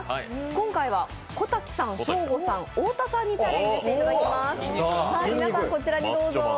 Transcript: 今回は小瀧さん、ショーゴさん太田さんにチャレンジしていただきます。